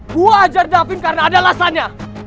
gue ajar da vin karena ada alasannya